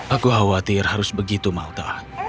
aku khawatir harus begitu malta